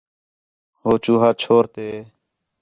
ہو چوہا چھور تے